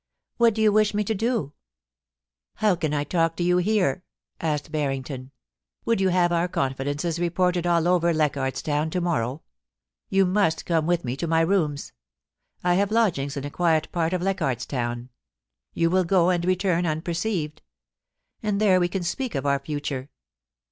"What do you wish me to do ?How can I talk to you here ?* asked Barrington. * Would you have our confidences reported all over Leichardt's Town to morrow? You must come with me to my rooms I have lodgings in a quiet part of Leichardt's Town. Yon will go and return unperceived ; and there we can speak of our future.